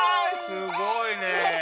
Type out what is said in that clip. すごいね！